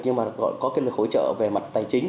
nhưng mà có hỗ trợ về mặt tài chính